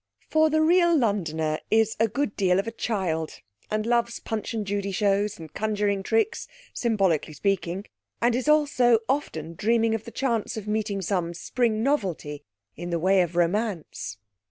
For the real Londoner is a good deal of a child, and loves Punch and Judy shows, and conjuring tricks (symbolically speaking) and is also often dreaming of the chance of meeting some spring novelty, in the way of romance.